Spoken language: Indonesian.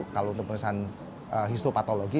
kalau untuk pemeriksaan histopatologi